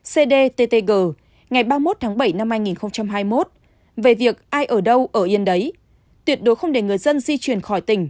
cdttg ngày ba mươi một tháng bảy năm hai nghìn hai mươi một về việc ai ở đâu ở yên đấy tuyệt đối không để người dân di chuyển khỏi tỉnh